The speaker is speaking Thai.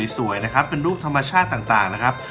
สวยนะครับเป็นรูปธรรมชาติต่างนะครับ